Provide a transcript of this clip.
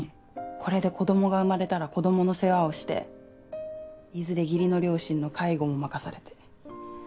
これで子どもが生まれたら子どもの世話をしていずれ義理の両親の介護も任されて。